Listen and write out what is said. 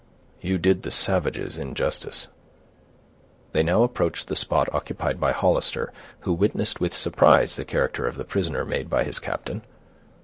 "You did the savages injustice." They now approached the spot occupied by Hollister, who witnessed with surprise the character of the prisoner made by his captain.